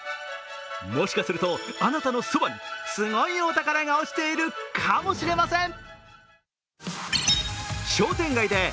もしかすると、あなたのそばに、すごいお宝が落ちているかもしれません。